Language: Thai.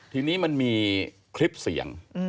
ทีนี้มันมีคลิปเสียง